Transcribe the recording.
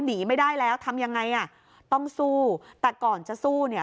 หนีไม่ได้แล้วทำยังไงอ่ะต้องสู้แต่ก่อนจะสู้เนี่ย